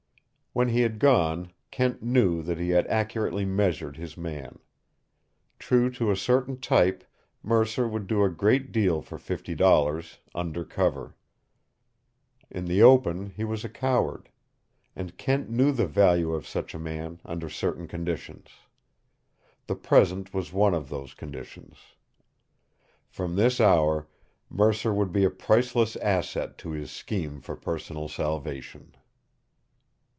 When he had gone, Kent knew that he had accurately measured his man. True to a certain type, Mercer would do a great deal for fifty dollars under cover. In the open he was a coward. And Kent knew the value of such a man under certain conditions. The present was one of those conditions. From this hour Mercer would be a priceless asset to his scheme for personal salvation.